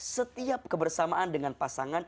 setiap kebersamaan dengan pasangan